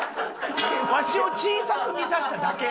わしを小さく見させただけ。